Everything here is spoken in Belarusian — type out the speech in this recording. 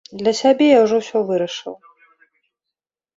Для сябе я ўжо ўсё вырашыў.